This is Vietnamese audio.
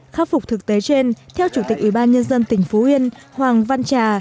khắc phục thực tế trên theo chủ tịch ủy ban nhân dân tỉnh phú yên hoàng văn trà